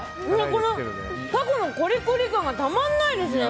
このタコのコリコリ感がたまらないですね。